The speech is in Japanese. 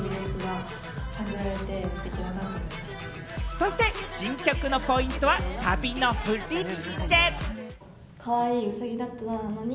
そして新曲のポイントは、サビの振付。